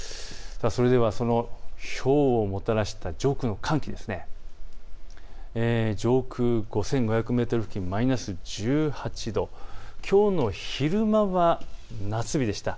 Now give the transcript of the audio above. それでは、ひょうをもたらした上空の寒気、上空５５００メートル付近マイナス１８度、きょうの昼間は夏日でした。